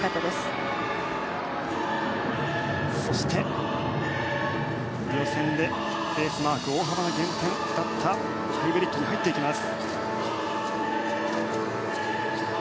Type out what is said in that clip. そして、予選でベースマーク大幅な減点だったハイブリッドに入っていきます。